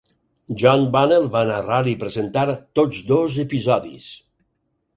John Bunnell va narrar i presentar tots dos episodis.